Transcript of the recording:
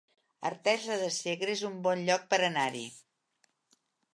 Artesa de Segre es un bon lloc per anar-hi